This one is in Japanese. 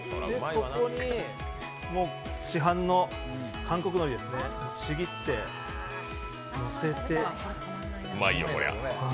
ここにもう市販の韓国のりですね、ちぎって、のせて。